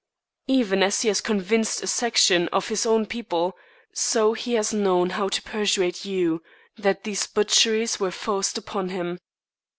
Even as he has convinced a section of his own people, so he has known how to persuade you that these butcheries were forced upon him.